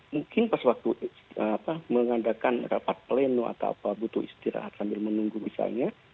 mungkin pas waktu mengadakan rapat pleno atau apa butuh istirahat sambil menunggu misalnya